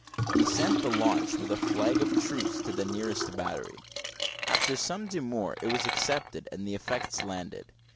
We sent the launch with a flag of truce to the nearest battery; after some demur it was accepted, and the effects landed.